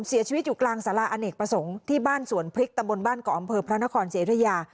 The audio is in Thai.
เสียชีวิตอยู่กลางสาราอเนกประสงค์ที่บ้านสวนพริกตำบลบ้านเกาะอำเภอพระนครศรีอยุธยา